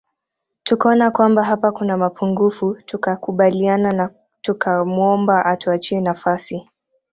Tukaona kwamba hapa kuna mapungufu tukakubaliana na tukamwomba atuachie nafasi